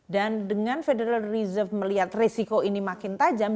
dengan federal reserve melihat resiko ini makin tajam